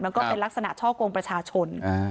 ก็เป็นลักษณะช่อกงประชาชน